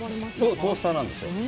トースターなんですよ。